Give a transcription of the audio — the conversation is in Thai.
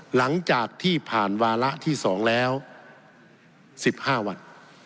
หลังจากที่ผ่านวาระที่๒แล้ว๑๕วัน